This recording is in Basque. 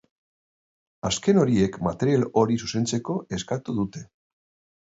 Azken horiek material hori zuzentzeko eskatu dute.